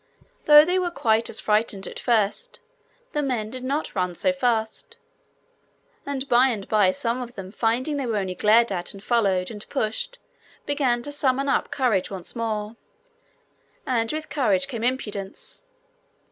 Though they were quite as frightened at first, the men did not run so fast; and by and by some of them finding they were only glared at, and followed, and pushed, began to summon up courage once more, and with courage came impudence.